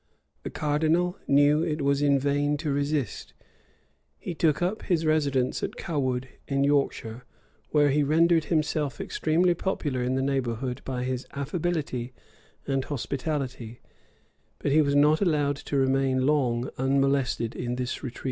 The cardinal knew it was in vain to resist: he took up his residence at Cawood, in Yorkshire, where he rendered himself extremely popular in the neighborhood by his affability and hospitality;[] but he was not allowed to remain long unmolested in this retreat.